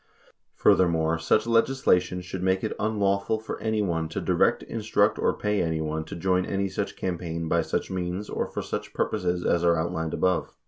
Furthermore, such legislation should make it unlawful for anyone to direct, instruct, or pay anyone to join any such campaign by such means or for such purposes as are outlined above.